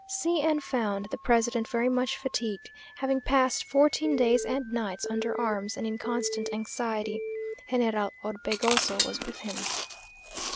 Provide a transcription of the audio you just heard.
C n found the president very much fatigued, having passed fourteen days and nights under arms, and in constant anxiety; General Orbegoso was with him.